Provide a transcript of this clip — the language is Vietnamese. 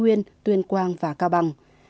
tuyên quang tuyên quang và cao bằng